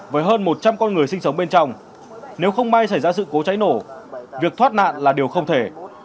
với hơn một trăm linh con người sinh sống bên trong nếu không may xảy ra sự cố cháy nổ việc thoát nạn là điều không thể